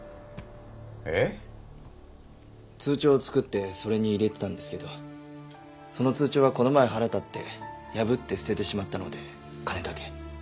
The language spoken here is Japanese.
えっ？通帳を作ってそれに入れてたんですけどその通帳はこの前腹立って破って捨ててしまったので金だけ。